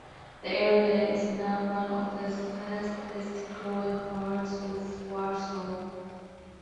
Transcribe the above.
The area is now one of the fastest-growing parts of Warsaw.